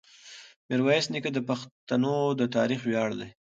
میرویس نیکه د پښتنو د تاریخ ویاړ دی.